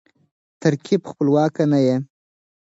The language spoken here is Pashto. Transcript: ترکیب خپلواک نه يي.